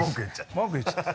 文句言っちゃった。